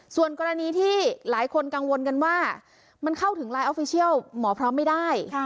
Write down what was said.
ส่วนกรณีที่หลายคนกังวลกันว่ามันเข้าถึงลายออฟฟิเชียลหมอพร้อมไม่ได้